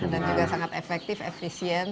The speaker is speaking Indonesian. dan juga sangat efektif efisien